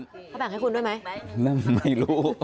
เขาแบ่งให้คุณด้วยไหมนั่นไม่รู้